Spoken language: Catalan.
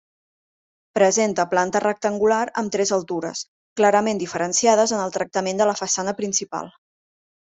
Presenta planta rectangular amb tres altures, clarament diferenciades en el tractament de la façana principal.